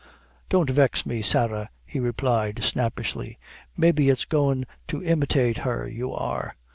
"Don't vex me, Sarah," he replied, snappishly. "Maybe it's goin' to imitate her you are.